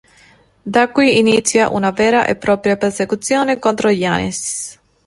Da qui inizia una vera e propria persecuzione contro Janice.